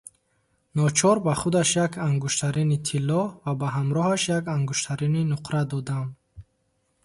Ночор ба худаш як ангуштарини тилло ва ба ҳамроҳаш як ангуштарини нуқра додам.